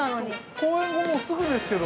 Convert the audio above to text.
公演後、もう、すぐですけれど。